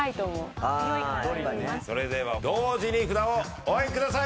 それでは同時に札をお挙げください。